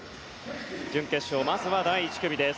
準決勝、まずは第１組です。